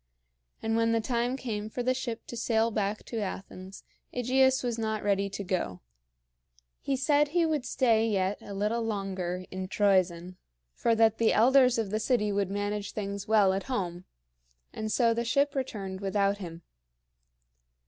And when the time came for the ship to sail back to Athens, AEgeus was not ready to go. He said he would stay yet a little longer in Troezen, for that the elders of the city would manage things well at home; and so the ship returned without him.